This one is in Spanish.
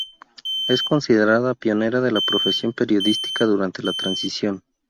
Es considerada pionera de la profesión periodística durante la Transición.